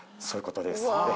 そういうことです。